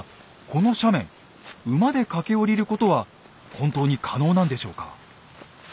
この斜面馬で駆け下りることは本当に可能なんでしょうか？